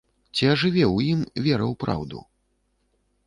Ці ажыве ў ім вера ў праўду?